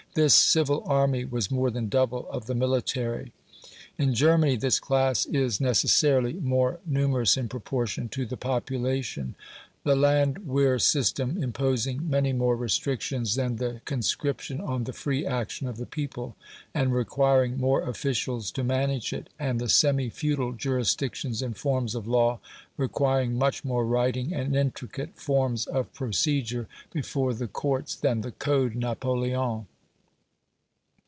This civil army was more than double of the military. In Germany, this class is necessarily more numerous in proportion to the population, the landwehr system imposing many more restrictions than the conscription on the free action of the people, and requiring more officials to manage it, and the semi feudal jurisdictions and forms of law requiring much more writing and intricate forms of procedure before the courts than the Code Napoleon."